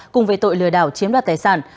cùng về tội lừa đảo chiếm đoạt tài sản